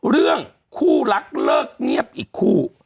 เรื่องคู่รักเลิกเงียบอีกคู่